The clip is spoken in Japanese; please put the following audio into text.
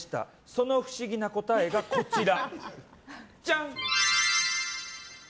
その不思議な答えが、こちら。